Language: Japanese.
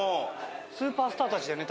スーパースターたちだよね